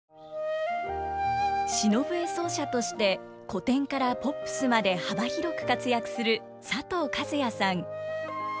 篠笛奏者として古典からポップスまで幅広く活躍する佐藤和哉さん。